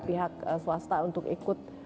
pihak swasta untuk ikut